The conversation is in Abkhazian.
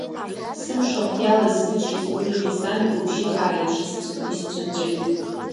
Сымшахә иалаз сыччеи сгәырӷьеи сан лыбжьыхаа еиԥш исцәынҵәеит.